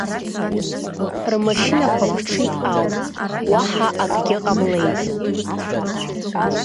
Рмашьынақәа ԥҽит ауп, уаҳа акгьы ҟамлеит.